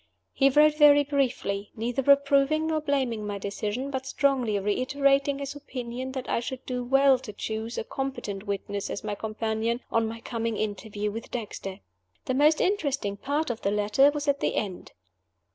He wrote very briefly, neither approving nor blaming my decision, but strongly reiterating his opinion that I should do well to choose a competent witness as my companion at my coming interview with Dexter. The most interesting part of the letter was at the end.